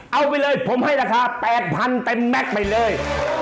เอาไปเลยผมให้ราคา๘๐๐๐เต็มแม็กซ์ไปเลย